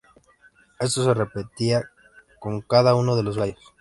Esto se repetía con cada uno de los gallos.